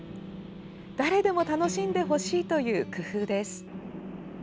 誰でも楽しんでほしいという工夫です。